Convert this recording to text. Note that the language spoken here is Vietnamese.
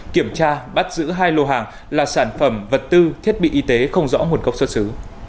kiểm tra bắt giữ hai lô hàng là sản phẩm vật tư thiết bị y tế không rõ nguồn gốc xuất xứ